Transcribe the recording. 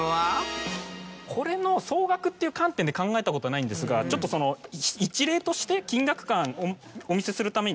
これの総額っていう観点で考えたことはないんですがちょっとその一例として金額感お見せするために。